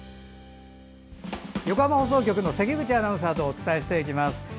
横浜放送局の関口アナウンサーとお伝えしていきます。